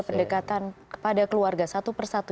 pendekatan kepada keluarga satu persatu